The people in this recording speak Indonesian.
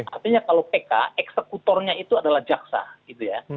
artinya kalau pk eksekutornya itu adalah jaksa gitu ya